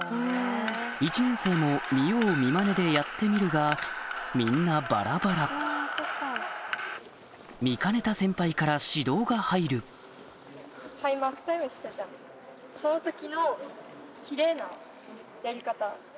１年生も見よう見まねでやってみるがみんなバラバラ見かねた先輩から指導が入る１と。